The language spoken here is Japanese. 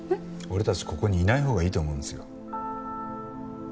俺たちここにいないほうがいいと思うんですよ。